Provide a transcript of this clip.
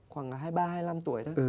khoảng hai mươi ba hai mươi năm tuổi đó